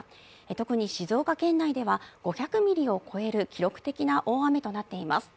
特に静岡県内では５００ミリを超える記録的な大雨となっています。